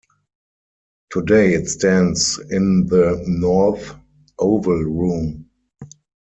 Today it stands in the North Oval Room.